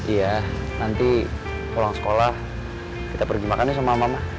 iya nanti pulang sekolah kita pergi makannya sama mama